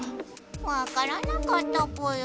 わからなかったぽよ。